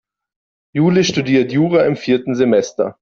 Jule studiert Jura im vierten Semester.